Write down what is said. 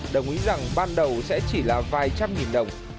đồng ý rằng ban đầu sẽ chỉ là vài trăm nghìn đồng